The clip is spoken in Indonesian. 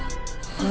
er mereka perdam saya